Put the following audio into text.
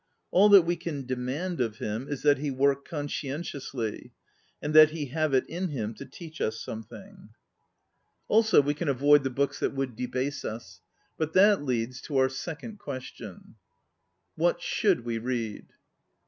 All that we can demand of him is that he work conscientiously, and that he have it in him to teach us something. 2 17 ON READING Also, we can avoid the books that would debase us. But that leads to our second question: What should we read?